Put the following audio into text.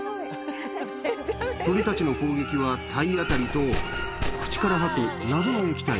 鳥たちの攻撃は体当たりと口から吐く謎の液体。